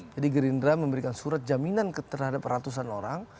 jadi gerindra memberikan surat jaminan terhadap ratusan orang